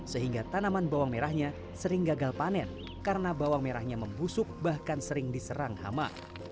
sehingga tanaman bawang merahnya sering gagal panen karena bawang merahnya membusuk bahkan sering diserang hama